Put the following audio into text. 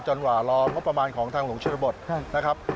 จนหว่ารอมรับประมาณของทางหลวงชุดบทนะครับ